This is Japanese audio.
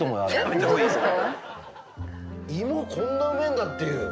芋こんなうめえんだっていう。